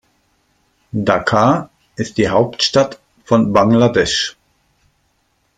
Dhaka ist die Hauptstadt von Bangladesch.